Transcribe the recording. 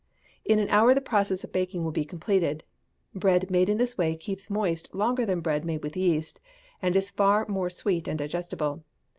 In an hour the process of baking will be completed. Bread made in this way keeps moist longer than bread made with yeast, and is far more sweet and digestible.